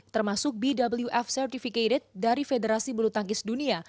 termasuk bwf certificated dari federasi bulu tangkis dunia